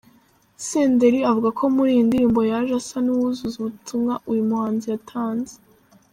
Senderi avuga ko muri iyi ndirimbo yaje asa n’uwuzuza ubutumwa uyu muhanzi yatanze.